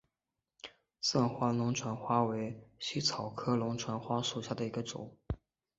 散花龙船花为茜草科龙船花属下的一个种。